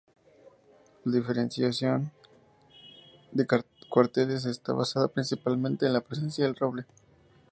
La diferenciación de cuarteles está basada principalmente en la presencia de roble.